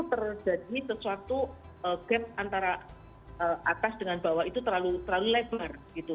terjadi sesuatu gap antara atas dengan bawah itu terlalu lebar gitu